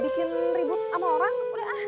bikin ribut sama orang